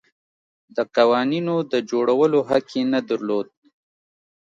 د قوانینو د جوړولو حق یې نه درلود.